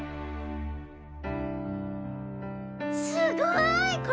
すごい。